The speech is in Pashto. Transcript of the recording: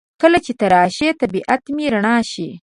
کله چې ته راشې طبیعت مې رڼا شي.